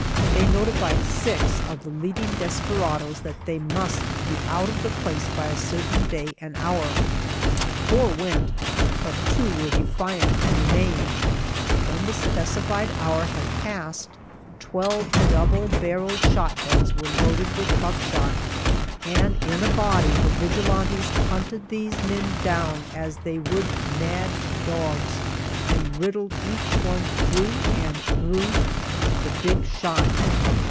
They notified six of the leading desperadoes that they must be out of the place by a certain day and hour. Four went, but two were defiant and remained. When the specified hour had passed, twelve double barreled shotguns were loaded with buckshot, and in a body the vigilantes hunted these men down as they would mad dogs and riddled each one through and through with the big shot!